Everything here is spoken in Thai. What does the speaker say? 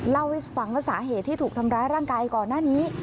เล่าให้ฟังว่าสาเหตุที่ถูกทำร้ายร่างกายก่อนหน้านี้